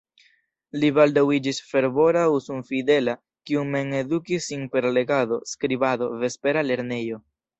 Li baldaŭ iĝis fervora uson-fidela, kiu mem edukis sin per legado, skribado, vespera lernejo.